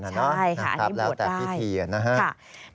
ใช่ค่ะอันนี้บวชได้แล้วแต่พิธีนะฮะ